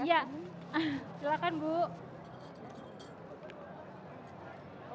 iya silakan bu